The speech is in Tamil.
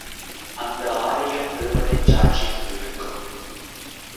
அந்த ஆரியம் தேவனைச் சாட்சிக்கு இழுக்கும்!